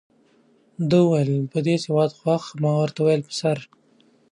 ده وویل په دې سودا خوښ ما ورته په سر.